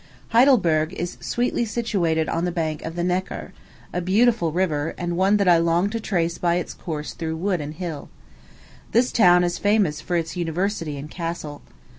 Heidelberg is sweetly situated on the bank of the Neckar a beautiful river, and one that I long to trace by its course through wood and hill. This town is famous for its university and castle.